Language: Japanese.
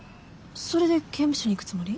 それで刑務所に行くつもり？